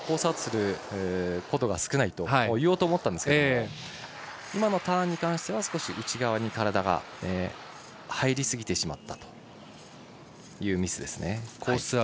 アウトすることが少ないと言おうと思ったんですが今のターンに関しては少し内側に体が入りすぎてしまったというミス。コース